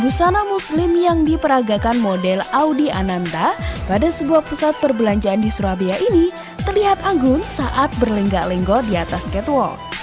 busana muslim yang diperagakan model audi ananta pada sebuah pusat perbelanjaan di surabaya ini terlihat anggun saat berlenggak lenggok di atas catwalk